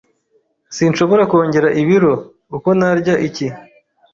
Sinshobora kongera ibiro, uko narya iki.